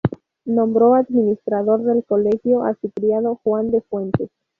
Nombró administrador del Colegio a su criado Juan de Fuentes.